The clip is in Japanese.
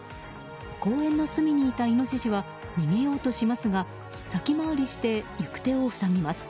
公園の隅にいたイノシシは逃げようとしますが先回りして行く手を塞ぎます。